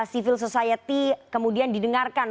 civil society kemudian didengarkan